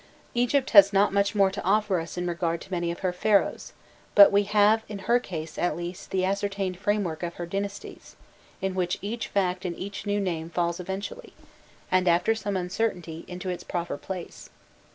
Egypt has not much more to offer us in regard to many of her Pharaohs, but we have in her case at least the ascertained framework of her dynasties, in which each fact and each new name falls eventually, and after some uncertainty, into its proper place.